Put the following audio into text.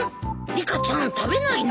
リカちゃん食べないの？